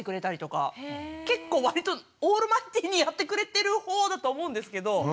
結構わりとオールマイティーにやってくれてるほうだと思うんですけど。